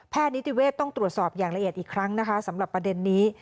นิติเวศต้องตรวจสอบอย่างละเอียดอีกครั้งนะคะสำหรับประเด็นนี้